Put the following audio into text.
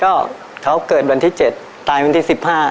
ก็เขาเกิดวันที่๗ตายวันที่๑๕